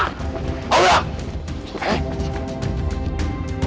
aku juga gak tau tante